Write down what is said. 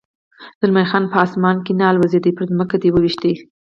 زلمی خان: هغه په اسمان کې نه الوزېد، پر ځمکه دې و وېشت.